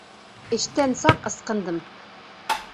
Эштән саҡ ысҡындым.